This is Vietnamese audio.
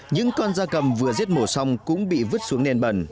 những con da cầm vừa giết mổ xong cũng bị vứt xuống nền bẩn